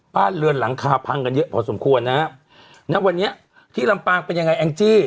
บ้านเรือนหลังคาพังกันเยอะพอสมควรนะฮะณวันนี้ที่ลำปางเป็นยังไงแองจี้